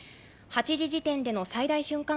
８時時点での最大瞬間